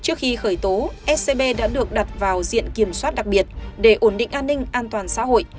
trước khi khởi tố scb đã được đặt vào diện kiểm soát đặc biệt để ổn định an ninh an toàn xã hội